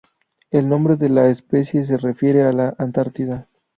El nombre de la especie se refiere a la Antártida.